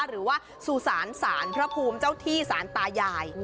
หรือว่าสุสานสารพระภูมิเจ้าที่สารตายาย